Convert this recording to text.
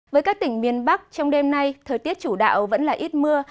với các tỉnh miền bắc trong đêm nay thời tiết chủ đạo vẫn là ít mưa